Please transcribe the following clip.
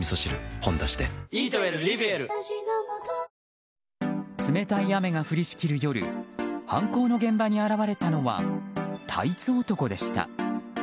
「ほんだし」で冷たい雨が降りしきる夜犯行の現場に現れたのはタイツ男でした。